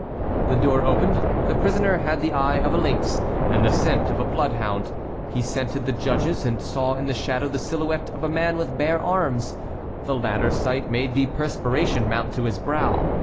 The door opened. The prisoner had the eye of a lynx and the scent of a bloodhound. He scented the judges and saw in the shadow the silhouette of a man with bare arms; the latter sight made the perspiration mount to his brow.